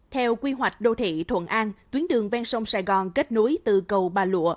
theo quy hoạch đô thị thuận an tuyến đường ven sông sài gòn kết nối từ cầu bà lụa